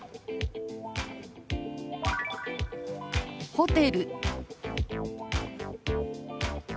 「ホテル」。